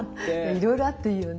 いろいろあっていいよね。